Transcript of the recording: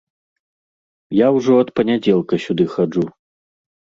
Я ўжо ад панядзелка сюды хаджу.